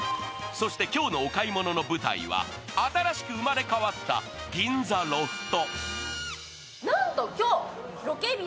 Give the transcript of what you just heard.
そして今日のお買い物の舞台は新しく生まれ変わった銀座ロフト。